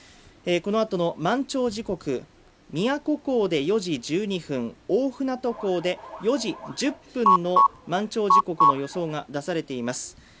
この後の満潮時刻、宮古港で４時１２分、大船渡港で４時１０分の満潮時刻の予想が出されています